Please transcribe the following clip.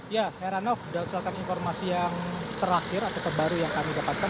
ya heranov berdasarkan informasi yang terakhir atau terbaru yang kami dapatkan